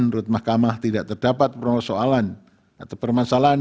menurut mahkamah tidak terdapat permasalahan